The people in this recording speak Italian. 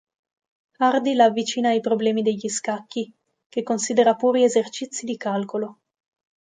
Hardy l'avvicina ai problemi degli scacchi, che considera puri esercizi di "calcolo".